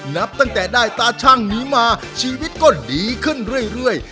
นับตั้งแต่ได้ตาชั่งนี้มาชีวิตก็ดีขึ้นเรื่อย